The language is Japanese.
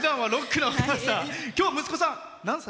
今日は息子さん、何歳？